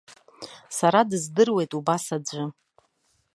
Сара дыздыруеит убас аӡәы.